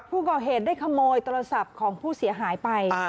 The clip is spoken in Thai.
ผู้ก่อเหตุได้ขโมยโทรศัพท์ของผู้เสียหายไป